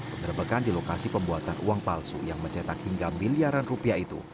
pengerebekan di lokasi pembuatan uang palsu yang mencetak hingga miliaran rupiah itu